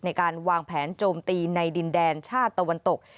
ในการวางแผนโจมตีในดินแดนชาติตะวันตก